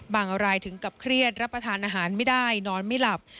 อะไรถึงกับเครียดรับประทานอาหารไม่ได้นอนไม่หลับ